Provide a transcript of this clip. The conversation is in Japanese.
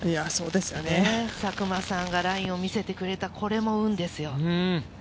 佐久間さんがラインを見せてくれた、これも運ですよ。